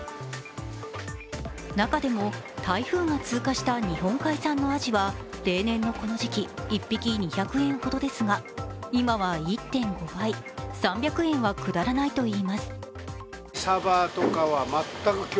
中でも台風が通過した日本海産のあじは例年のこの時期、１匹２００円ほどですが、今は１．５倍、３００円は下らないといいます。